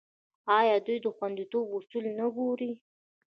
آیا دوی د خوندیتوب اصول نه ګوري؟